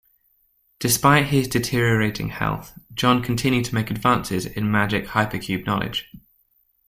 Despite his deteriorating health, John continued to make advances in magic hypercube knowledge.